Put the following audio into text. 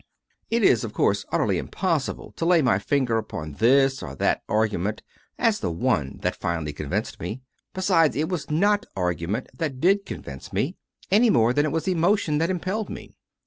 1 It is, of course, utterly impossible to lay my finger upon this or that argument as the one that finally convinced me. Besides, it was not argument that did convince me, any more than it was emotion that impelled me.